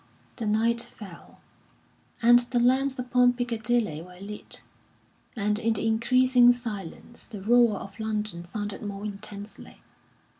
The night fell, and the lamps upon Piccadilly were lit, and in the increasing silence the roar of London sounded more intensely.